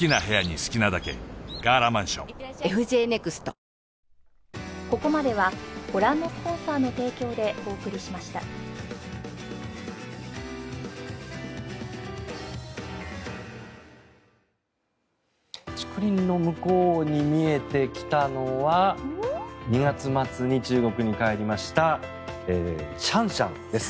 新発売竹林の向こうに見えてきたのは２月末に中国に帰りましたシャンシャンです。